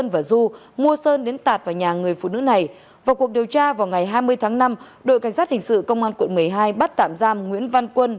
vào ngày hai mươi tháng năm đội cảnh sát hình sự công an quận một mươi hai bắt tạm giam nguyễn văn quân